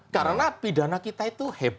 karena pidana kita itu hebat loh